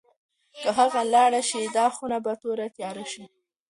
که هغه لاړه شي، دا خونه به توره تیاره شي.